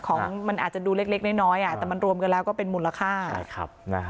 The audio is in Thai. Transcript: ของมันอาจจะดูเล็กน้อยแต่มันรวมกันแล้วก็เป็นมูลค่า